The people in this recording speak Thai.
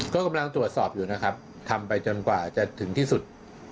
ก็กำลังตรวจสอบอยู่นะครับทำไปจนกว่าจะถึงที่สุด